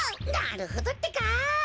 なるほどってか。